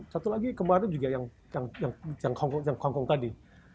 satu lagi kemarin juga yang hongkong tadi